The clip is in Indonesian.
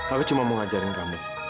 aku cuma mau ngajarin kami